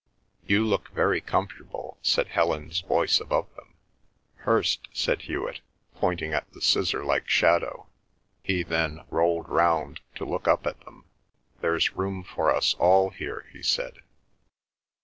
"You look very comfortable!" said Helen's voice above them. "Hirst," said Hewet, pointing at the scissorlike shadow; he then rolled round to look up at them. "There's room for us all here," he said.